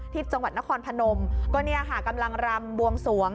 ที่จังหวัดนครพนมก็เนี่ยค่ะกำลังรำบวงสวง